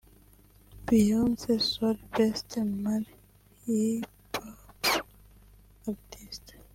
Beyoncé — “Sorry”Best Male Hip-Hop Artist